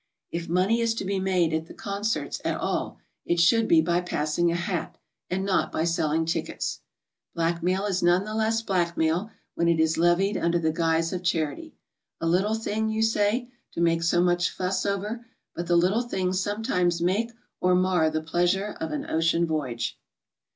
If money is to be made at the concerts at all, it should be by passing a hat, and not by selling tickets. 40 GOING ABROAD? Blackmail is none the less blackmail when it is levied under the guise of charity. A little thing, you say, to make so much fuss over, but the little things sometimes make or mar the pleasure of an ocean voyage.